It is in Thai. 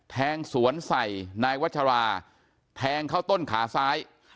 แทงสวนใส่นายวัชราแทงเข้าต้นขาซ้าย